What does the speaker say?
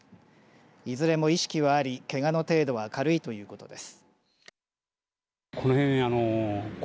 いずれも意識はありけがの程度は軽いということです。